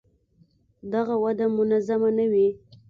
دغه وده منظمه نه وي.